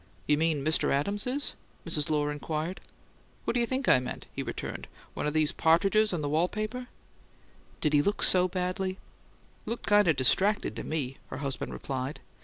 "You mean Mr. Adams is?" Mrs. Lohr inquired. "Who'd you think I meant?" he returned. "One o' these partridges in the wall paper?" "Did he look so badly?" "Looked kind of distracted to me," her husband replied.